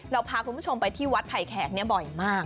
พาคุณผู้ชมไปที่วัดไผ่แขกบ่อยมาก